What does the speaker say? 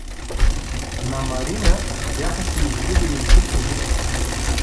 На Марина бяха се изгубили три кози.